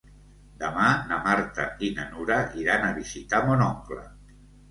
Demà na Marta i na Nura iran a visitar mon oncle.